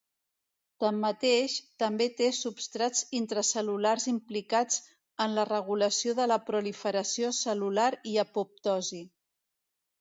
Tanmateix, també té substrats intracel·lulars implicats en la regulació de la proliferació cel·lular i apoptosi.